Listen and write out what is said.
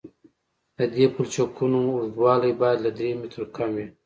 د دې پلچکونو اوږدوالی باید له درې مترو کم وي